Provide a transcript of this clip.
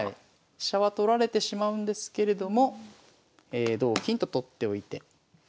飛車は取られてしまうんですけれども同金と取っておいて。